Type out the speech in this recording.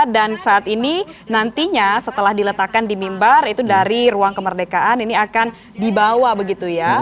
dan saat ini nantinya setelah diletakkan di mimbar itu dari ruang kemerdekaan ini akan dibawa begitu ya